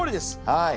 はい。